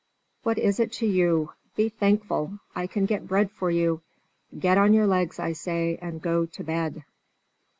What is it to you? Be thankful I can get bread for you. Get on your legs, I say, and go to bed."